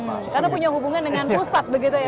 karena punya hubungan dengan pusat begitu ya pak ya